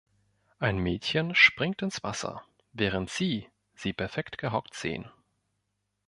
Ein Mädchen springt ins Wasser, während Sie sie perfekt gehockt sehen.